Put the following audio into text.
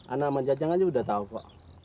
ana sama jajang aja udah tau kok